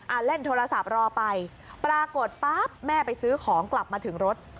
เล่นโทรศัพท์รอไปปรากฏปั๊บแม่ไปซื้อของกลับมาถึงรถ